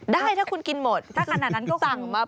ได้ถ้าคุณกินหมดถ้าขนาดนั้นก็สั่งมา